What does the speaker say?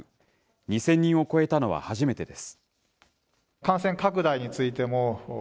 ２０００人を超えたのは初めてです。